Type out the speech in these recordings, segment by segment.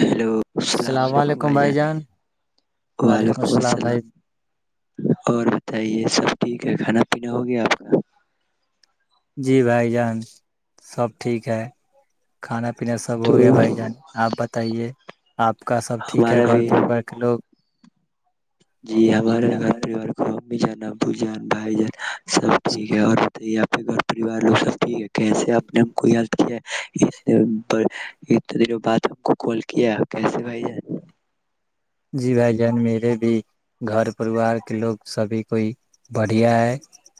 hello السلام علیکم بھائی جان وعلیکم السلام اور بتائیے سب ٹھیک ہے کھانا پنا ہو گیا آپ کا جی بھائی جان سب ٹھیک ہے کھانا اپنے سب تو ہو گیا بھائی جان آپ بتائیے آپ کا سب ٹھیک ہے ہمارا گھر بھی پرار کے لوگ جی ہمارے گھر پریوار کو امی جانا بو جان بھائی جانا سب ٹھیک ہے اور بتائیے آپ گھر پریوار لگ سب ٹھیک ہے کیسے اپنے کوئی اتنے دنوں بعد ہم کو کال کیا کیسے بھائی جی بھائی جان میرے بھی گھر پریوار کے لوگ سبھی کوئی بڑھیا ہے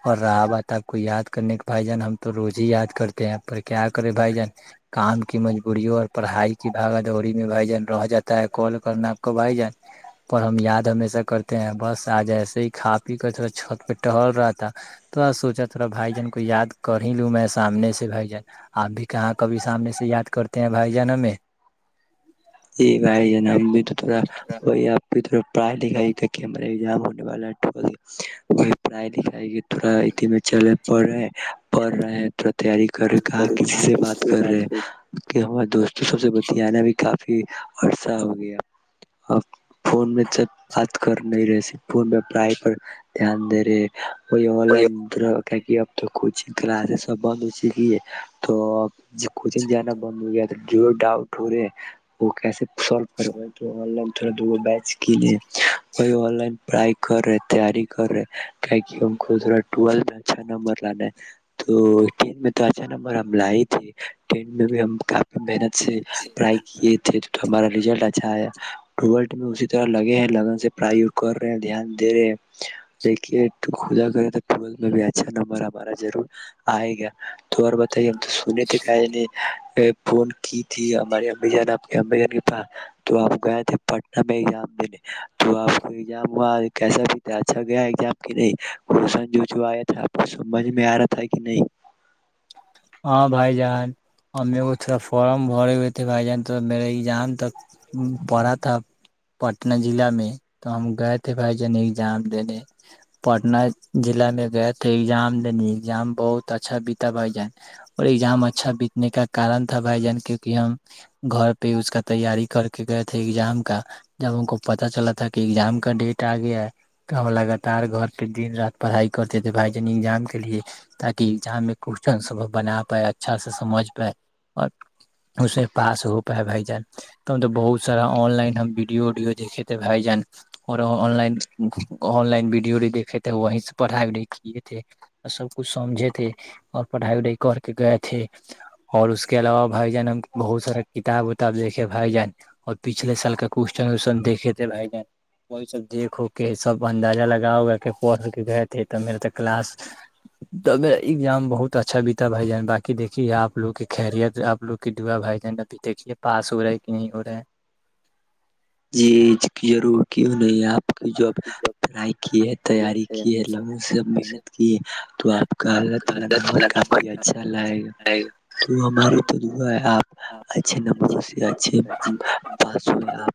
اور رہا تب کو یاد کرنے کے بھائی جان ہم تو روز ہی یاد کرتے ہیں پر کیا کریں بھائی جان کام کی مجبوریوں اور پڑھائی کی بھاگاادوری میں بھائی جان رہ جاتا ہے کال کرنا بھائی جان پر ہم یاد ہمیشہ کرتے ہیں بس آ ج ایسے ہی کا پی کر تھوڑا چھت پہ ٹہل رہا تھا تھڑا سوچا تھوڑا بھائی جان کو یاد کر ہی لوں میں سامنے سے بھائی جان آپ بھی کہاں کبھی سامنے سے یاد کرتے ہیں بھائی جان ہمیں یہ گائے جی بھائی امب تو جان وہ آپ کی پڑھائی لکھائی کہ ہم نے ام ہونے والا ہے وہ پڑھائی لکھائی کے تھڑا میں چلے پڑے پڑ رہے ہیں تیاری کر رہے کہاں کسی سے بات کر رہے کہ ہمارے دوستوں سب سے بت نا بھی کا عرسہ ہو گیا اور فون میں جب بات کر نہیں رہ پور میں پڑائی پر دھیان دے رہے وہیو لدر [inaudible] کوچنگ کلاس س بند ہوی [inaudible] [inaudible] جو ڈاؤٹورے وہ کیسے سالو کرے ہو تو آن لائن تھوڑا دوو بیچ کی لے وہی آ لائن پرڑائی کر رہے تیاری کر رہے تہ ہم کو تھا ٹل میں اچھا نمبر لانا ہے تو ٹین میں تو اچھا نمبر ہم ل ہی تھے ٹین میں بھی ہم کافی محنت سے پڑھائی کیے ہمارا رزلٹ اچھا آیا میں اسی طرح لگے ہیں لگن سے کر رہے ہیں دھیان د رہے دیکھیا کر میں بھی اچھا نمبر ہمارا ضرور آئے گا تو اورار بتائیے ہم تو سنے تھے کہ ہے نہیں پن کی تھی ہمارے اب جانا پاس تو آپ گئے تھے پٹن میں ایام دینے تو آپ کو ایام کیسا بھی تھا اچھا گیا نہیںن آیا تھا آپ کو سمجھ میں آ رہا تھا کہ نہیں ہاں بھائی جان ہمیں وہ تھوڑا فارم بھرے ہوئے تھے بھائی جان تو میرا ایگزام تک پڑا تھا پٹنہ ضلع میں تو ہم گئے تھے بھائی جان ایگزام دینے پٹنہ ضلع میں گئے تھے ایگزام دینے ایگزام بہت اچھا بتا بھائی جان اور ایگزام اچھا بیتنے کا کارن تھا بھائی جان کیک کہ ہم گھر پہ اس کا تیاری کر کے گئے تھے ایگزام کا جب ان کو پتا چلا تھا کہ ایگزام کا ڈیٹ آ گیا ہے تو ہم لگاتار گھر پہ دن رات پڑھائی کرتے تھے بھائی جان ایگزام کے لیے تاکہ ایگزام میں کوشن سب بنا پائے اچھا سے سجھ پائے اور اسے پاس ہو پائے بائی جان ہم تو بہت سارا آن لائن ہم وڈیوڈیو د تھ بائی جان اورنائن آن لائن ویڈیوی د تھ وہ سے پڑھائی کے تھے س کچھ سمھے تھے اور پڑھائی کر کے گئے تھے اور اس کے علاوہ بھائی جان ہم بہت سارا کتاب وتاب دیکھے بھائی جان اور پچھلے سال کا کوشچن وین دیکے تھے بھائی جان وہی سب دیکھ ہو کے سب اندازہ لگا اگا کے پڑھ کے گئے تھے ت میرا ت کلاسا ایگزام بہت اچھا بھی بھائی جان باقی دیکھیے آپ لوگ کی خیریت آپ لوگ کی دعا بھائی جان ابھی دیکھیے پاس ہو رہا ہے کہ نہیں ہو رہا ہے جی ضرور کیوں نہیں آپ کی جو پڑھائی کی ہے تیاری کی ہے لوگوں سےب محنت کی ہے [inaudible]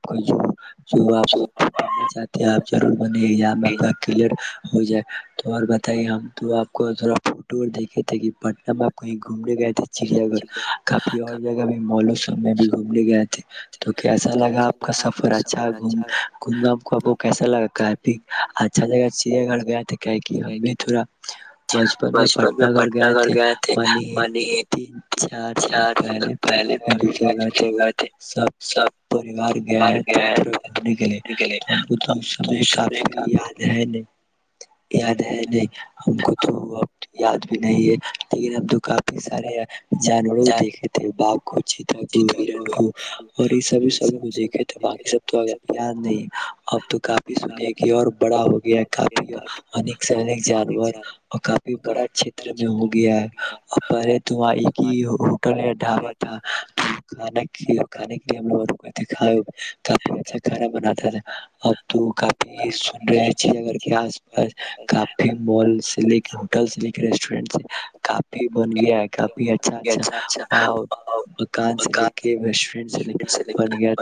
تو آپ بننا چاہتے ہیں آپ ور ب ایزام آپ کا کلیئر ہو جائے تو اور بتائیے ہم تو آپ کو تھوڑا فوٹو اور دیکے ت پٹنہ میں آپ کہیں گھومنے گئے تھے چڑیا گھر کافی اور جگہ بھی ملوس میں بھی گھومنے گیا تھا [inaudible] تو کیسا لگا کا سفر اچھا گومنا کو کیسا لگا کہ اچھا جگہ چڑیا گڑھ گیا تھا کہ ہم بھی تھوڑا بچپن میں پٹنہ گھر گئے تھے منی تین چار سال پہلے پٹن جتے گھر تھے سب پریوار گئے تھے تھوڑے گھومنے کے لیے تو ہم کو تو اس سمے کافی یاد ہے نہیں یاد ہے نہیں ہم کو تو اب یاد نہیں ہے لیکن اب جو کافی سارے جانوروں دیکھے تھے باغ کو چتا کو ہیرن کو اور یہ سب سب کو دیک تو باقی سب تو ا یار نہیں اب تو کافی سنے کہ اور بڑا ہو گیا ہے کافی انک سے انک جانور اور کافی بڑا چھیت میں ہو گیا ہے اور پہلے تو وہاں ایک ہی ہوٹل یا ڈھابا تھا کھانے کانے کے لیے ہم لوگ رکئے تھے کا کافی اچھا کھانا بناا اب تو کافی سن رہے ہیں چ نگر کے آس پاس کافی مال سے لے کے ہوٹل سے لے کے ریسٹورینٹ سے کپ بن گیا ہے کپی اچھا اچھا مکان سے لے کےٹ سے ل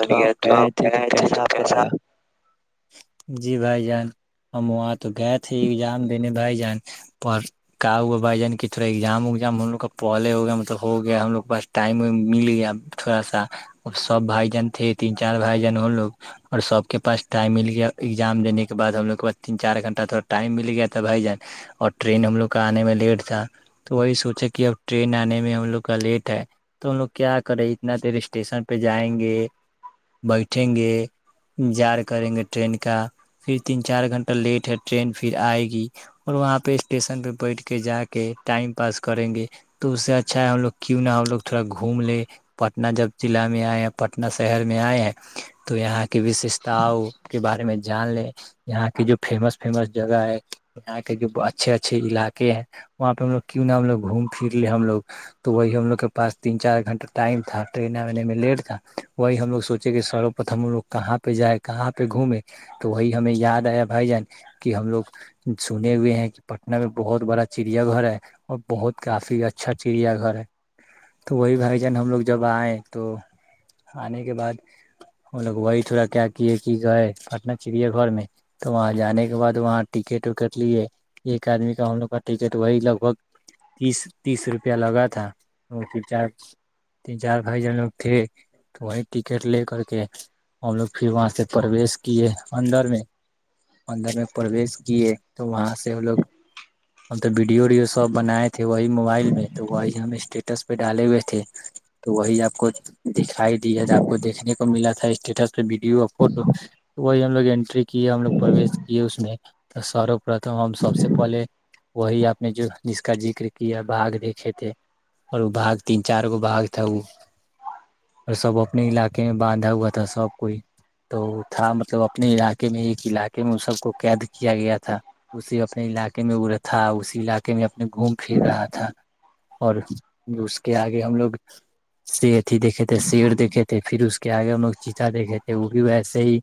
تو آپ گئے تھے تو کیسا آپ کو لگا جی بھائی جان ہمات تو گئے تھے ایگزام دینے میں بھائی جان پر کہؤ ہوا بھائی جان کی تھوڑا ایگزام اگزام لوگ کا پہلے ہو گیا مطلب ہو گیا ہم لوگ کے پاس ٹائم مل گیا تھوڑا سا ا سب بھائی جان تھے تین چار بھائی جان ہو لوگ اور سب کے پاس ٹائم مل گیا ایگزام دینے کے بعد ہم لوگ کے پاس تین چار گھنٹہ تھوڑا ٹائم مل گیا تھا بھائی جان اور ٹرین ہم لوگ کا آنے میں لیٹ تھا تو وہی سوچے کہ اب ٹرین آنے میں ہم لوگ کا لیٹ ہے تو ہم لوگ کیا کریں اتنا دیر اسٹیشن پہ جائیں گے بیٹھیں گے جار کریں گے ٹرین کا پھر تین چار گھنٹہ لیٹ ہے ٹرین پھر آئے گی اور وہاں پہ اسٹیشن پہ بیٹھ کے جا کے ٹائم پاس کریں گے تو اس سے اچھا ہے ہم لوگ کیوں نہا ہم لوگ تھوڑا گھوم لیں پٹنہ جب ضلع میں آئے ہیں پٹنہ شہر میں آئے ہیں تو یہاں کی وشش تاؤ کے بارے میں جان لے یہاں کے جو فیمس فیمس جگہ ہے یہاں کے جو اچھے اچھے علاقے ہیں وہاں پہ ہم لوگ کیوں نہا ہم لوگ گھوم پھر لے ہم لوگ تو وہی ہم لوگ کے پس تین چار گھنٹہ ٹائم تھا ٹریننانے میں لیٹ تھا وہی ہم لوگ سوچے کہ سروپتم لوگ کہاں پہ جائے کہاں پہ گھومے تو وہی ہمیں یاد آیا بھائی جان کہ ہم لوگ سنے ہوئے ہیں کہ پٹنہ میں بہت بڑا چڑیا گھر ہے اور بہت کافی اچھا چڑیا گھر ہے تو وہی بھائی جان ہم لوگ جب آئیں تو آنے کے بعد ہم لوگ وہی تھوڑا [unintelligible] کیا کیے کہ گئے پٹنہ چڑییا گھر میں تو وہاں جانے کے بعد وہاں ٹکٹ وکٹ لیے ایک آدمی کا ہم لوگ کا ٹکٹ وہی لگ بھگ تیس تیس روپیہ لگا تھا وہ ت چار تین چار بھائی جن لوگ تھے تو وہی ٹکٹ لے کر کے ہم لوگ [unintelligible] پرویش کیے اندر میں اندر میں پرویش کیے تو وہاں سے ہم لوگ ہم تو ویڈیو ویڈیو سب بنائے تھے وہی موبائل میں تو وہی ہم اسٹیٹس پہ ڈالے ہوئے تھے تو وہی آپ کو دکھائی دیا ج آپ کو دیکھنے کو ملا تھا اسٹیٹس [unintelligible] [unintelligible] فوٹو تو وہ [unintelligible] ہم لوگ انینٹری کیے ہم لوگ پروی کیے اس میں تو سرو پرتم ہم سب سے پہلے وہی اپ نے جو جس کا ذکر کیا بھگ دیکھے تھے اور وہ بھاگ تین چار گو بھاگ تھا وہ اور سب اپنے علاقے میں باندھا ہوا تھا سب [unintelligible] کوئی تو تھا مطلب اپنے علاقے میں ایک علاقے میں سب کو قید کیا گیا تھا [unintelligible] اسے اپنے علاقے میں ا تھا اسی علاقے میں [unintelligible] گھوم پھر رہا تھا [unintelligible] اور اس کے آگے ہم لوگ س اھی دیکے تھے شیر دیکھے تھے پھر اس کے آگے ہم لوگ چ [unintelligible] ا دیکھے تھے وہ بھی ویسے ہی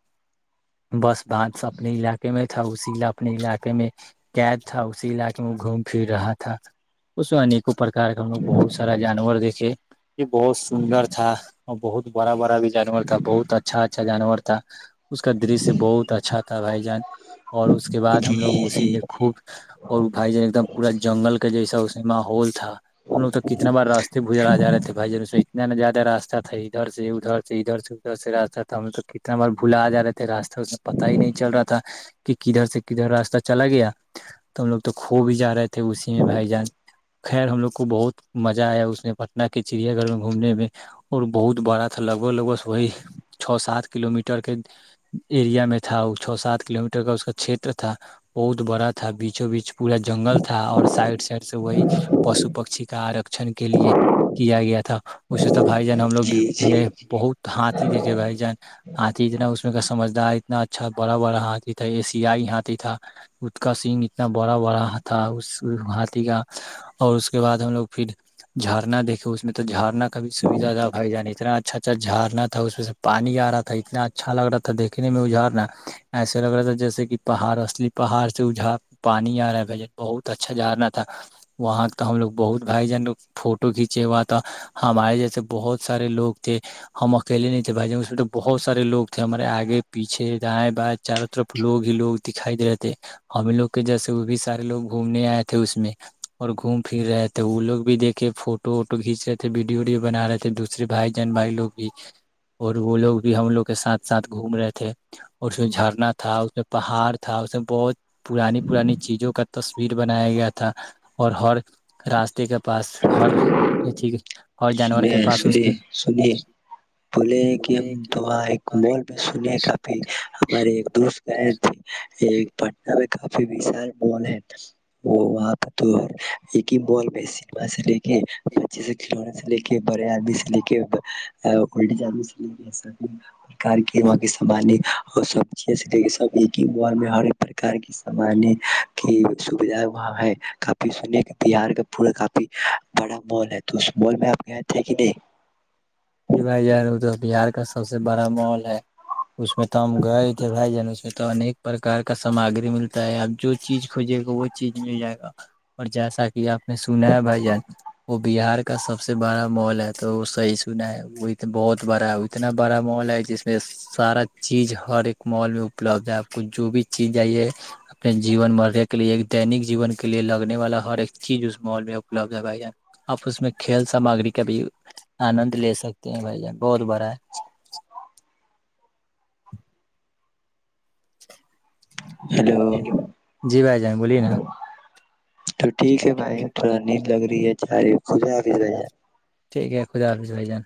بس بد اپنے علاقے میں تھا اسی اپنے علاقے میں قید تھا اسی علاقے میں گھوم پھر رہا تھا اس میں [unintelligible] پرکار کا ہم لو بہت سارا [unintelligible] جانور دیکھے یہ بہت سندر تھا اور بہت بڑا بڑا بھی جانور تھا بہت [unintelligible] اچھا اچھا جانور تھا اس کا درشیہ بہت اچھا تھا بھائی جان [unintelligible] اور اس کے بعد جی ہم لوگ اسی جی میں خوب اور بھائی جن ایک دم پورا جنگل کا جیسا ا ہو [unintelligible] تھا ہم لگ تو کتنا بار راستے بھجڑ آا ج رہے تھے بھائی ج [unintelligible] ج نے زیادہ رستہ تھے ادھر سے ادھر سے ادھر سے [unintelligible] ادھر سے راستہ تھا ہم لوگ تو کتنا بار بھلا آ جا رہے تھے راستہ اس میں پت ہی نہیں چل رہا تھا کہ کدھر سے کدھر راستہ چلا گیا تو ہم لوگ تو کو بھی ہی جا رہے تھے اسی میں بھائی جان خیر ہم لوگ کو بہت مزہ آیا اس میں پٹنہ کے چڑیا گھر میں گھومنے میں اور بہت بڑا تھا لگوں لگو وہی [unintelligible] چھو سات کلو میٹر کے ایریا میں تھا وہ چو سات کلو میٹر کا اس کا چھیتر تھا بہت بڑا تھا بیچوں بیچ پورا جنگل تھا اور سائڈ سائڈ سے وہی پشو پکشی کا آرکشن کے لیے کیا گیا تھا [unintelligible] اس سے تو بھائی جان ہم لوگ جی جی یہ بہت ہاتھ [unintelligible] بھ جان آتی اتنا اس میں کا سجھدار [unintelligible] اتنا اچھا بڑا بڑا ہاتھی تھا ا سیائی ہاتھی تھا اس کا سین اتنا بڑا بڑا تھا اس ہاتھی کا اور اس کے بعد ہم لوگ پھر جھرنا دیکھے اس میں تو جھرنا کا کبھی سویدھا نہا بائی جانی اتنا اچھا اچھا جارڑنا تھا اس پانی آ رہا تھا اتنا اچھا لگ رہا تھا دیکھنے میں اجھارنا ایسے لگ رہا تھا جیسے کہ پہاڑ اصلی پہاڑ سے اجھڑ پانی آ رہا ہے بھائی جان بہت اچھا جڑنا تھا وہاں کا ہم لوگ بہت بھائی جان فوٹو کھینچے ہوا تھا ہمارے جیسے بہت سارے لوگ تھے ہم پہلے نہیں تھے بھائی ج اس میں تو بہت سارےوگ تھے ہمارے آگے پیچھے دائیں بائیں چاروں طرف لوگ ہی لوگ دکھائیے تھے ہم لوگ کے جیسے وہ بھی سارے لوگ گھومنے آئے تھے اس میں اور گھوم پھر رہے تھے وہ لوگ بھی دیکھے فوٹو ووٹو کھینچ رہے تھے ویڈیو ویڈیو بنا رہے تھے دوسرے بھائی جہن بھائی لو بھی اور وہ لوگ بھی ہم لوگ کے ساتھ ساتھ گھوم رہے تھے اور اس میں جھرنا تھا اس میں پہاڑ تھا اس میں بہت پرانی پرانی چیزوں کا تصویر بنایا گیا تھا اور ہر راستے کے پاس ہرھی سنی سنیے سنی بولے کہ ہم داں ایک مول میں سنے کافی ہمارے ایک دوست گئے تھے یہ پٹن میں کافیشال مال ہے وہ وہاں پہ تو ایک ہی مال میں سما سے لے کے پچیس کلونے ے کے بڑے آدمی سے لے کےد سے لے کےباراں کے سامان اور سب چی سے لے کے س ایک ہی م میں ہر پر کے سامان کی سھا وہاں ہے کافی س بہار کا پورا کافی بڑا مال ہے تو اس مال میںپ تھی دے ج بھائی ار ا تو بہار کا سب سے بڑا ماحول ہے اس میں تو ہم گئے تھے بائی جان اس سے تو انیک پرکار کا سامگری ملتا ہے آپ جو چیز کھجے گا وہ چیز مل جائے گا اور جیسا کہ آپ نے سنا ہے بھائی جان وہ بہار کا سب سے بڑا مال ہے تو وہ صحیح چنا ہے وہنا بہت بڑا ہے اتنا بڑا مال ہے جس میں سارا چیز ہر ایک مال میں اپلبد ہے آپ کو جو بھی چیز جائیے اپنے جین مرنےے کے لیے دینک جیون کے لیے لگنے والا ہر ایک چیز اس مال میں اپلبد ہے بھائی آپ اس میں کھیل سامگری کا بھی آند لے سکتے ہیں بھائی جان بہت بڑا ہے [inaudible] ہیلو جی بھائی جان بولیے نا تو ٹھیک ہے بھائی تھوڑا ن [unintelligible] لگ رہی ہے چاری خد حف ہے ٹھیک ہے خودہ بجائی جان